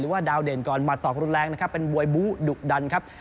ว่าดาวเด่นก่อนหมัดศอกรุนแรงนะครับเป็นมวยบู้ดุดันครับ